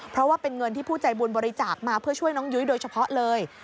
เพราะว่าเป็นเงินที่ผู้ใจบุญบริจาคมาเพื่อช่วยน้องยุ้ยโดยเฉพาะเลย